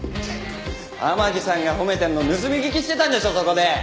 天樹さんが褒めてるの盗み聞きしてたんでしょそこで。